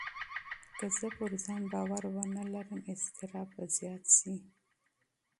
که زه پر ځان باور ونه لرم، اضطراب به زیات شي.